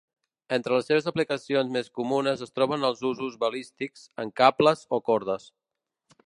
Entre les seves aplicacions més comunes es troben els usos balístics, en cables o cordes.